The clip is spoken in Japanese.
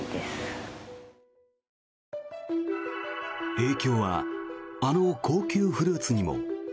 影響はあの高級フルーツにも。